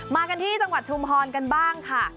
มากันที่จังหวัดชุมพรกันบ้างค่ะ